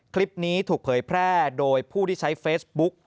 คลิปนี้ถูกเผยแพร่โดยผู้ที่ใช้เฟซบุ๊ก